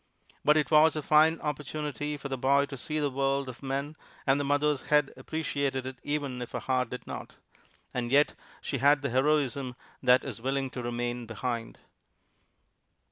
But it was a fine opportunity for the boy to see the world of men, and the mother's head appreciated it even if her heart did not. And yet she had the heroism that is willing to remain behind.